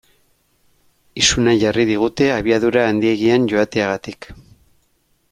Izuna jarri digute abiadura handiegian joateagatik.